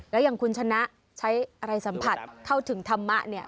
แล้วอย่างคุณชนะใช้อะไรสัมผัสเข้าถึงธรรมะเนี่ย